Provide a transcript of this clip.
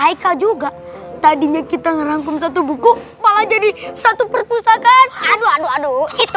ata juga tadinya kita rangkum satu buku maja fadli satu perpustakaan adu haduh itu